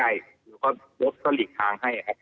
แล้วก็ลบสลิกทางให้